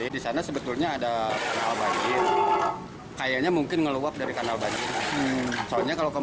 di sana sebetulnya ada kayaknya mungkin ngeluap dari kanal